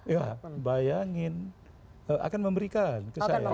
ya bayangin akan memberikan ke saya